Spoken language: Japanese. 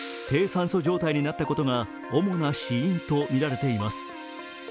低酸素状態になったことが主な死因とみられています。